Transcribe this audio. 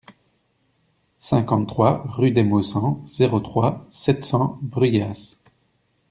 cinquante-trois rue des Maussangs, zéro trois, sept cents Brugheas